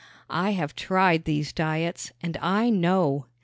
I have tried these diets, and I know!